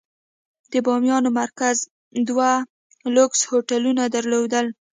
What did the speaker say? د بامیان مرکز دوه لوکس هوټلونه درلودل.